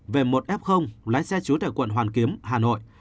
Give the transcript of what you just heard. về một f lái xe chú tại quận hoàn kiếm hà nội